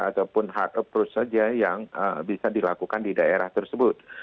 ataupun hak approach saja yang bisa dilakukan di daerah tersebut